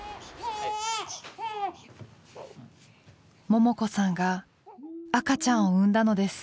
ももこさんが赤ちゃんを産んだのです。